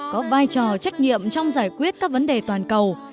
có vai trò trách nhiệm trong giải quyết các vấn đề toàn cầu